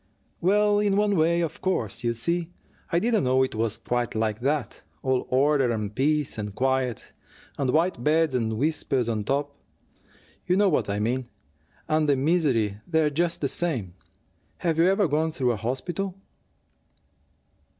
"Well, in one way, of course you see, I didn't know it was quite like that: all order and peace and quiet, and white beds and whispers, on top, you know what I mean, and the misery there just the same. Have you ever gone through a hospital?"